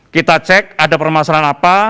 kita cek ada permasalahan apa